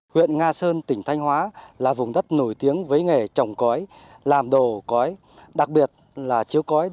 huyện nga sơn tỉnh thanh hóa là vùng đất nổi tiếng với nghề trồng cõi làm đồ cõi